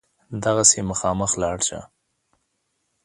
دغسې مخامخ لاړ شه.